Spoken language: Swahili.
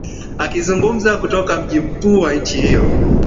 akizungumza kutoka mji mkuu wa nchi hiyo